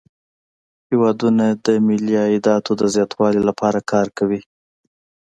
هیوادونه د ملي عایداتو د زیاتوالي لپاره کار کوي